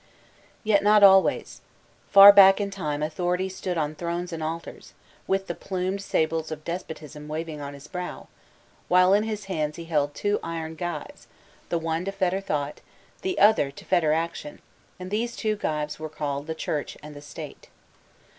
Yet not always; far back in time Authority stood on thrones and altars, with the plumed sables of despotism waving on his brow, while in his hands he held two iron gyves, the one to fetter thought, the other to fetter ac tion; and these two gyves were called the Chmck tmd State.